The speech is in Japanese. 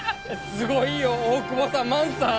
すごいよ大窪さん万さん！